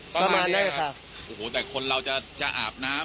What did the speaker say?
ประมาณ๑กิโล